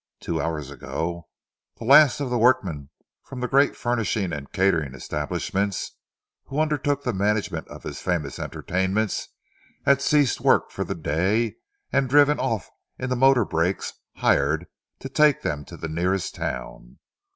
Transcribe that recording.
Two hours ago, the last of the workmen from the great furnishing and catering establishments who undertook the management of his famous entertainments, had ceased work for the day and driven off in the motor brakes hired to take them to the nearest town.